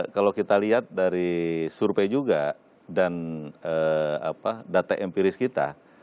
kalau kita lihat dari survei juga dan data empiris kita